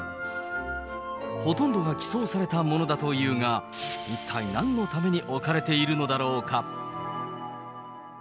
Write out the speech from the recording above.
ほとんどが寄贈されたものだというが、一体なんのために置かれているのだろうか。